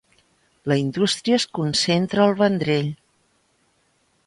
La indústria es concentra al Vendrell.